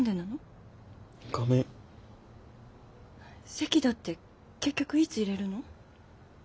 籍だって結局いつ入れるの？